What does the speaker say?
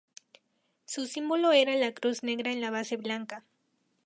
Su símbolo era la cruz negra en la base blanca.